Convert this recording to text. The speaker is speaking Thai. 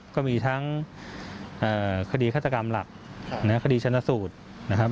ก็มีทั้งคดีฆาตกรรมหลักคดีชนสูตรนะครับ